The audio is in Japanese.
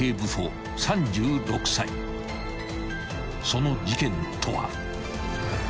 ［その事件とは］